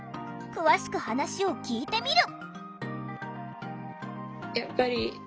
詳しく話を聞いてみる。